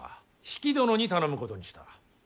比企殿に頼むことにした。